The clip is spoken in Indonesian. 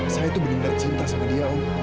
saya tuh bener bener cinta sama dia om